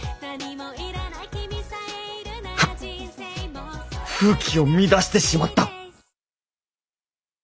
心の声ふ風紀を乱してしまった。